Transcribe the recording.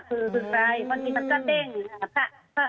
คือสุดท้ายมันมีสัตว์เต้นอย่างนี้ค่ะ